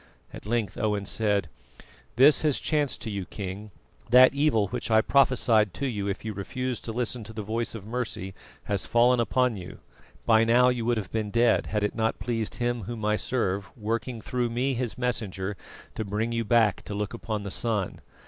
At length Owen said: "This has chanced to you, King: that evil which I prophesied to you if you refused to listen to the voice of mercy has fallen upon you. By now you would have been dead, had it not pleased Him Whom I serve, working through me, His messenger, to bring you back to look upon the sun.